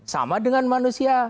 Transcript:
sama dengan manusia